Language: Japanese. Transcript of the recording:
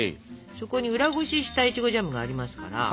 そこに裏ごししたいちごジャムがありますから。